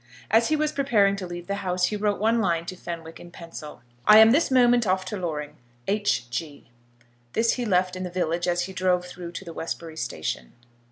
As he was preparing to leave the house he wrote one line to Fenwick in pencil. "I am this moment off to Loring. H. G." This he left in the village as he drove through to the Westbury station.